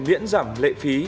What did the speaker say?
miễn giảm lệ phí